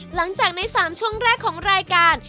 หลังจากใน๓ช่วงแรกของรายการ